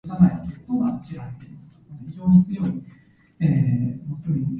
It has a temple devoted to Krishna located on the top of a hill.